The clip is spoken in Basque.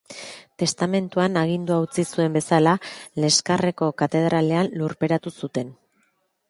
Testamentuan agindua utzi zuen bezala, Leskarreko katedralean lurperatu zuten.